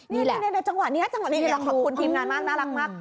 นี่แหละในจังหวะนี้ขอบคุณทีมนานมากน่ารักมาก